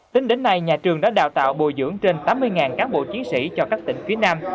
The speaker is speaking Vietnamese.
tính đến nay nhà trường đã đào tạo bồi dưỡng trên tám mươi cán bộ chiến sĩ cho các tỉnh phía nam